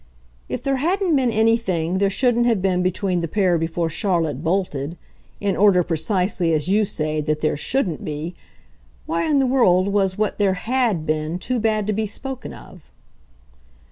"If there hadn't been anything there shouldn't have been between the pair before Charlotte bolted in order, precisely, as you say, that there SHOULDN'T be: why in the world was what there HAD been too bad to be spoken of?"